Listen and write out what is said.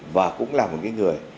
và cũng là một người